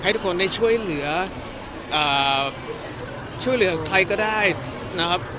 ทุกคนได้ช่วยเหลือช่วยเหลือใครก็ได้นะครับ